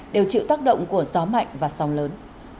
đều chịu tác động của gió mạnh và sóng lớn